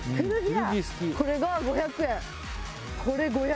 これ５００円。